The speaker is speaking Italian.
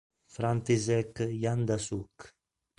František Janda-Suk